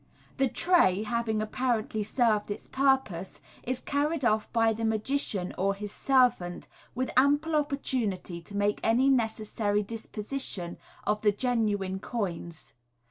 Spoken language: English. The tray, having apparently served its purpose, is carried off by the magician or his servant, with ample opportunity to make any necessary disposition of the genuine coins.